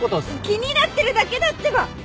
気になってるだけだってば！